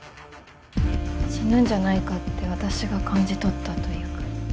死ぬんじゃないかって私が感じ取ったというか。